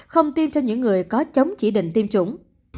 không tiêm cho những người có chống chỉ định tiêm chủng